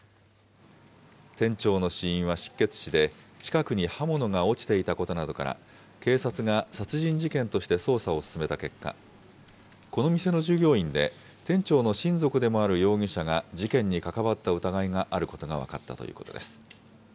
店長の死因は失血死で、近くに刃物が落ちていたことなどから、警察が殺人事件として捜査を進めた結果、この店の従業員で店長の親族でもある容疑者が、事件に関わった疑いがあることが分かったということです。